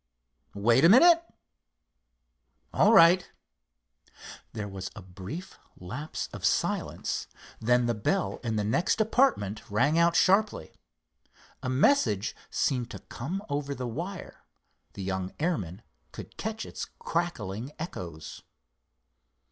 Wait a minute? All right." There was a brief lapse of silence. Then the bell in the next apartment rang out sharply. A message seemed to come over the wire, the young airman could catch its crackling echoes.